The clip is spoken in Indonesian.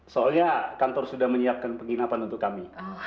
soalnya kantor sudah menyiapkan penginapan untuk kami